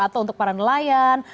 atau untuk para nelayan